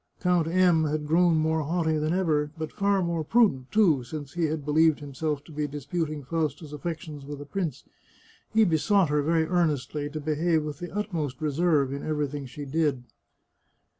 Count M had grown more haughty than ev6r, but far more prudent, too, since he had believed himself to be disputing Fausta's affections with a prince. He besought her very earnestly to behave with the utmost reserve in everything she did.